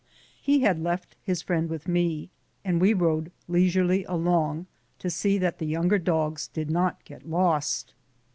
He had left bis friend with me, and we rode leisurely ak)ng to see that the younger dogs did not get lost.